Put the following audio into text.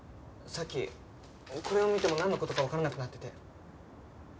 さっきこれを見てもなんの事かわからなくなってて。